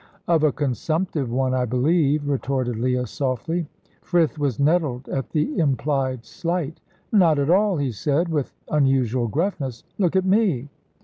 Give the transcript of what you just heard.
"Of a consumptive one, I believe," retorted Leah, softly. Frith was nettled at the implied slight. "Not at all," he said, with unusual gruffness. "Look at me."